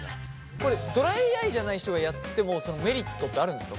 これドライアイじゃない人がやってもメリットってあるんですか？